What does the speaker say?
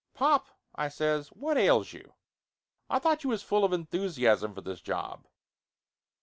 "Pop," I says, "what ails you? I thought you was full of enthusiasm for this job?"